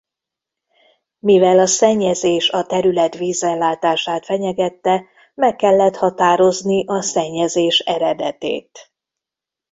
Mivel a szennyezés a terület vízellátását fenyegette meg kellett határozni a szennyezés eredetét.